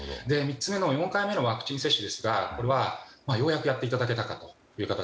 ３つ目の４回目のワクチン接種はようやくやっていただけたかという形。